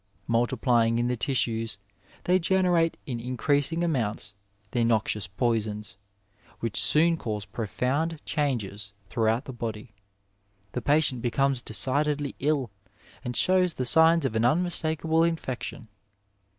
Multipljnng in the tissues, they generate in increasing amounts their noxious poisons, which soon cause profound changes throughout the body ; the patient becomes de cidedly ill, and shows the signs of an unmistakable infection.